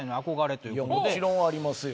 もちろんありますよ。